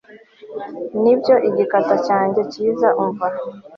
Nibyo igikata cyanjye cyiza umva